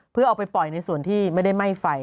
เพื่อเอาไปปล่อยในส่วนที่ไม่ได้ไหม้ไฟ